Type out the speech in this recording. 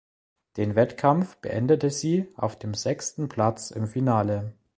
Den Wettkampf beendete sie auf dem sechsten Platz im Finale.